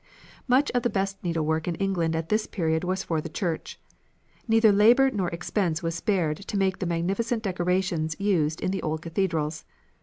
Much of the best needlework in England at this early period was for the church. Neither labour nor expense was spared to make the magnificent decorations used in the old cathedrals.